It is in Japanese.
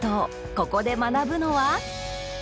ここで学ぶのは？